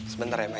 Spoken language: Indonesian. sebentar ya ma ya